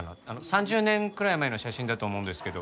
３０年くらい前の写真だと思うんですけど。